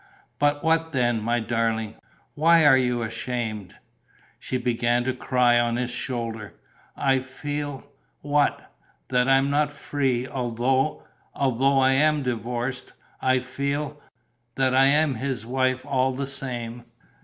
"But what then, my darling? Why are you ashamed?" She began to cry on his shoulder: "I feel...." "What?" "That I am not free, although ... although I am divorced. I feel ... that I am his wife all the same."